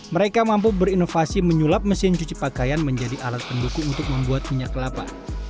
mereka mampu berinovasi menyulap mesin cuci pakaian menjadi alat pendukung untuk membuat minyak kelapa